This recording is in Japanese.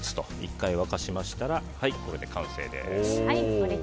１回沸かしましたらこれで完成です。